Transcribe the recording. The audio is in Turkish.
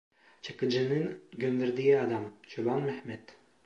Çakıcının gönderdiği adam, Çoban Mehmet…